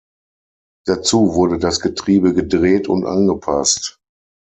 Dazu wurde das Getriebe gedreht und angepasst.